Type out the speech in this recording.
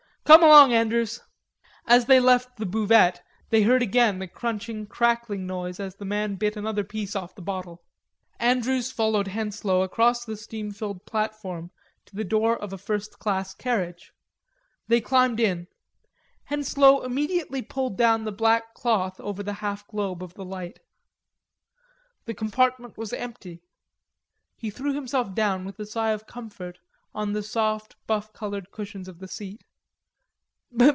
"Come along, Andrews." As they left the buvette they heard again the crunching crackling noise as the man bit another piece off the bottle. Andrews followed Henslowe across the steam filled platform to the door of a first class carriage. They climbed in. Henslowe immediately pulled down the black cloth over the half globe of the light. The compartment was empty. He threw himself down with a sigh of comfort on the soft buff colored cushions of the seat.